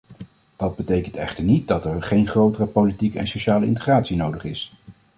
Dat betekent echter niet dat er geen grotere politieke en sociale integratie nodig is.